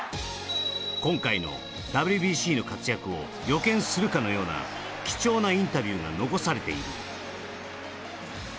今回のＷＢＣの活躍を予見するかのような貴重なインタビューが残されている。